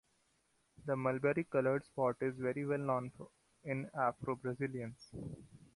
The mulberry colored spot is very well known in Afro-Brazilians.